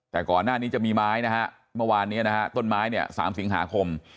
แต่ก่อนหน้านี้จะมีไม้นะฮะเมื่อวานนี้นะฮะต้นไม้เนี่ย๓สิงหาคม